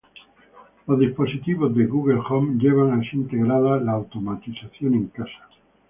Los dispositivos de "Google Home" llevan así integrada la automatización en casa.